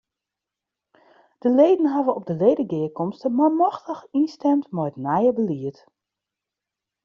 De leden hawwe op de ledegearkomste manmachtich ynstimd mei it nije belied.